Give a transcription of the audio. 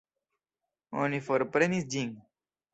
Oni forprenis ĝin.